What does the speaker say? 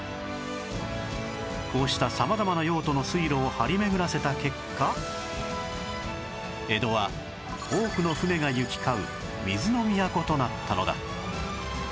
こうした様々な用途の水路を張り巡らせた結果江戸は多くの船が行き交う水の都となったのだ